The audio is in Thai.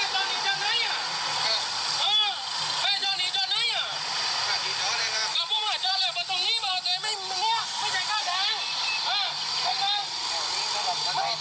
ก็โดนล่ะเพราะตรงนี้ไม่มีขาวแดงนะครับ